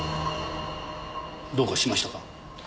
どうかしましたか？